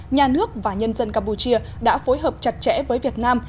nhà nước và nhân dân campuchia đã phối hợp chặt chẽ với việt nam